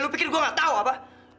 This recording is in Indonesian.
lu pikir gue gak tau apa